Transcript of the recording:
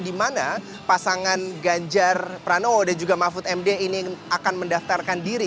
di mana pasangan ganjar pranowo dan juga mahfud md ini akan mendaftarkan diri